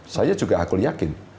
saya juga aku yakin